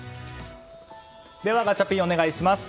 ではガチャピンお願いします。